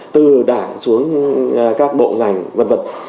từ đảng xuống các bộ ngành v v